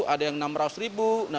ada yang enam ratus ribu